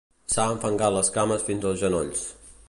S'ha enfangat les cames fins als genolls.